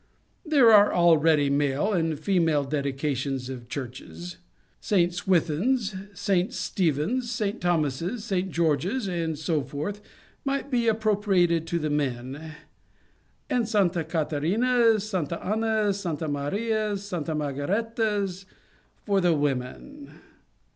There are already male and female dedications of churches. St. Swithin's, St. Stephen's, St. Thomas's, St. George's, and so forth, might be appropriated to the men; and Santa Catharina's, Santa Anna's, Santa Maria's, Santa Margaretta's, for the women.